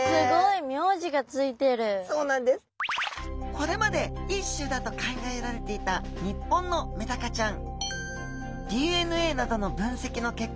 これまで１種だと考えられていた日本のメダカちゃん